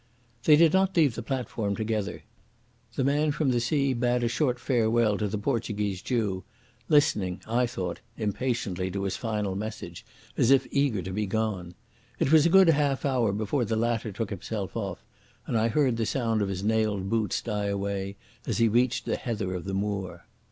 They did not leave the platform together. The man from the sea bade a short farewell to the Portuguese Jew, listening, I thought, impatiently to his final message as if eager to be gone. It was a good half hour before the latter took himself off, and I heard the sound of his nailed boots die away as he reached the heather of the moor.